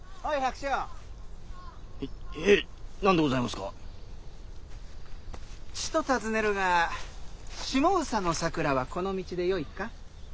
ちと尋ねるが下総の佐倉はこの道でよいか？